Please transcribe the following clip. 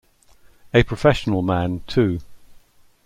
A professional man, too!